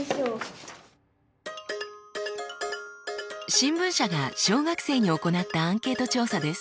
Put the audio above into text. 新聞社が小学生に行ったアンケート調査です。